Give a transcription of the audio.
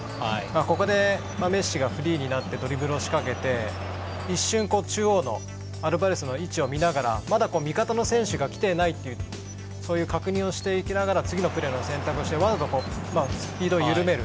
ここでメッシがフリーになってドリブルを仕掛けて一瞬中央のアルバレスの位置を見ながらまだ味方の選手が来ていないというそういう確認をしていきながら次のプレーの選択をしてわざとスピードを緩める。